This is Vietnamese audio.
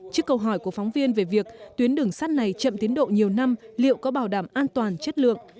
trước câu hỏi của phóng viên về việc tuyến đường sắt này chậm tiến độ nhiều năm liệu có bảo đảm an toàn chất lượng